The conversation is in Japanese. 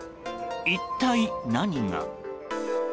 一体、何が？